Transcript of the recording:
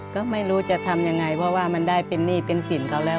ก็ไม่รู้จะทำยังไงเพราะว่ามันได้เป็นหนี้เป็นสินเขาแล้ว